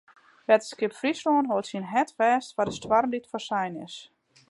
Wetterskip Fryslân hâldt syn hart fêst foar de stoarm dy't foarsein is.